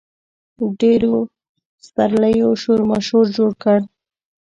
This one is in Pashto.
ډېرو سپرلیو شورماشور جوړ کړ.